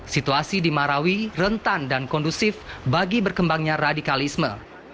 situasi di marawi rentan dan kondusif bagi berkembangnya radikalisme